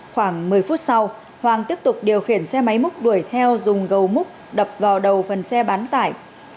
khoảng một mươi phút sau hoàng tiếp tục điều khiển xe máy múc đuổi theo dùng gầu múc đập vào đầu phần xe bán tải